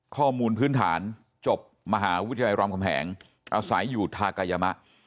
ข้อมูลพื้นฐานจบมหาวิทยาลัยรามคำแหงอาศัยอยู่ทากายมะ